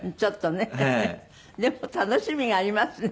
でも楽しみがありますね。